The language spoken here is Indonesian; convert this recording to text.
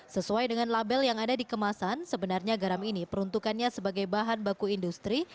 sesuai dengan label yang ada di kemasan sebenarnya garam ini peruntukannya sebagai bahan baku industri